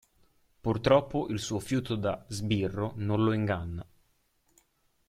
Purtroppo il suo fiuto da "sbirro" non lo inganna.